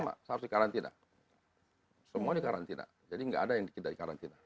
sama sama seharusnya karantina semua ini karantina jadi tidak ada yang tidak di karantina